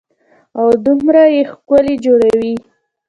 او دومره يې ښکلي جوړوي.